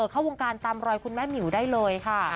เข้าวงการตามรอยคุณแม่หมิวได้เลยค่ะ